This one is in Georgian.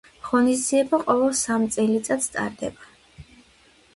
ღონისძიება ყოველ სამ წელიწადს ტარდება.